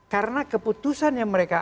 karena keputusan yang mereka